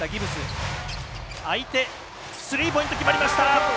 スリーポイント決まりました！